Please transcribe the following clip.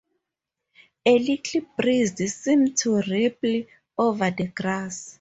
A little breeze seemed to ripple over the grass.